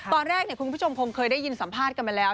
ตอนแรกคุณผู้ชมคงเคยได้ยินสัมภาษณ์กันมาแล้ว